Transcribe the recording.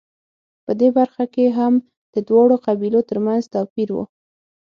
په دې برخه کې هم د دواړو قبیلو ترمنځ توپیر و